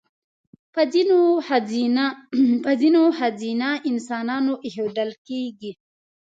په ځینو ښځینه انسانانو اېښودل کېږي.